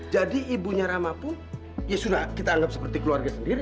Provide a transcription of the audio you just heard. jadi ibunya ramah pun ya sudah kita anggap seperti keluarga sendiri